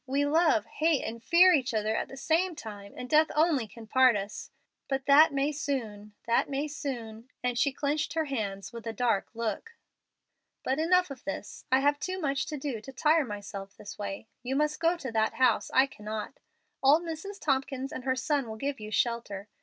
We love, hate, and fear each other at the same time, and death only can part us. But that may soon that may soon;" and she clenched her hands with a dark look. "But enough of this. I have too much to do to tire myself this way. You must go to that house; I cannot. Old Mrs. Tompkins and her son will give you shelter.